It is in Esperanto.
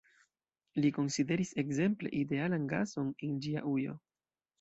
Li konsideris, ekzemple, idealan gason en ĝia ujo.